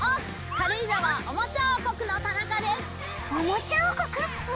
軽井沢おもちゃ王国の田中です。